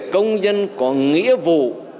công dân có nghĩa vụ